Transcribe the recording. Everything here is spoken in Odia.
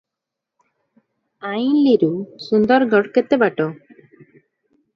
ଆଇଁଲିରୁ ସୁନ୍ଦରଗଡ଼ କେତେ ବାଟ?